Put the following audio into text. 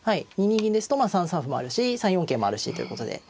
２二銀ですと３三歩もあるし３四桂もあるしということで。